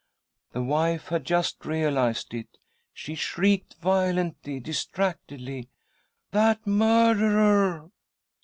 ." The wife had just realised it. She shrieked violently, distractedly. ' That murderer